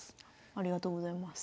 ありがとうございます。